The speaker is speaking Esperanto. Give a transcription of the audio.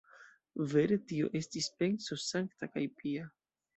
Vere, tio estis penso sankta kaj pia.